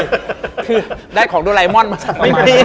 คือได้ของดูไลมอนมาสั่งให้พี่